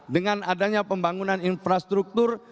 dengan adanya pembangunan infrastruktur